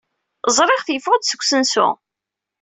Ẓriɣ-t yeffeɣ-d seg usensu.